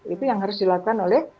itu yang harus dilakukan oleh